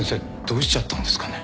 どうしちゃったんですかね。